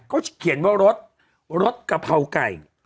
เขาเขียนว่ารสรสกะเพราไก่